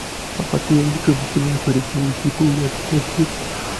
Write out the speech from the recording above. A partir de allí se convirtió en referente del equipo "blanquiazul".